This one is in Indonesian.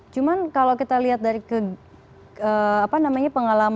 cuma kalau kita lihat dari pengalaman para penulis